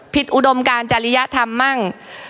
อุดมการจริยธรรมมั่ง